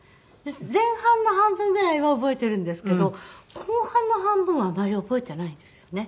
前半の半分ぐらいは覚えているんですけど後半の半分はあまり覚えていないんですよね。